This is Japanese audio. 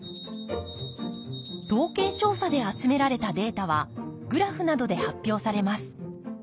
統計調査で集められたデータはグラフなどで発表されます。